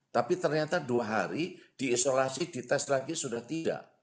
tapi ternyata dua hari diisolasi dites lagi sudah tidak